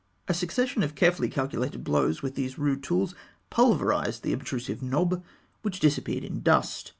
A succession of carefully calculated blows with these rude tools pulverised the obtrusive knob, which disappeared in dust.